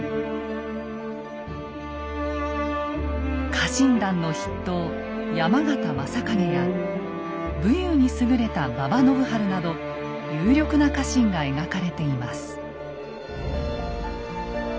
家臣団の筆頭山県昌景や武勇に優れた馬場信春など有力な家臣が描かれています。